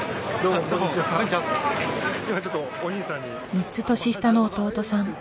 ３つ年下の弟さん。